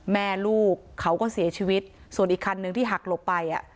แม่ลูกเขาก็เสียชีวิตส่วนอีกคันนึงที่หักหลบไปอ่ะ